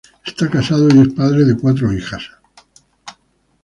Está casado y es padre de cuatro hijas.